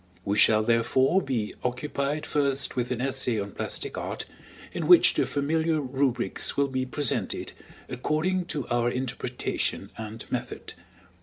We shall, therefore, be occupied first with an essay on plastic art, in which the familiar rubrics will be presented according to our interpretation and method.